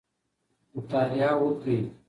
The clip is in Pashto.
مطالعه وکړئ.